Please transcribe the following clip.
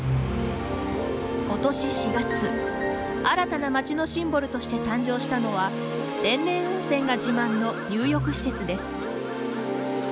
今年４月新たな街のシンボルとして誕生したのは天然温泉が自慢の入浴施設です。